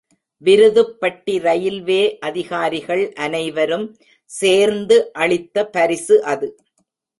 Virudhupatti railway அதிகாரிகள் அனைவரும் சேர்ந்து அளித்த பரிசு அது.